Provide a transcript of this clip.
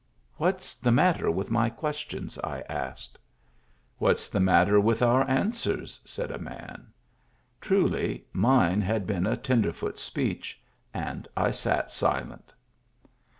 "What's the matter with my questions?" I asked. " What's the matter with our answers ?" said a man. Truly, mine had been a tenderfoot speech, and I sat silent.